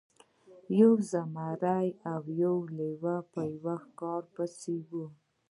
یو زمری او یو لیوه په یوه ښکار پسې وو.